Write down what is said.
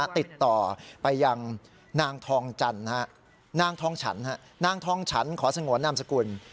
ติดต่อไปยังนางทองจันทร์นางทองฉันนางทองฉันขอสงวนนามสกุล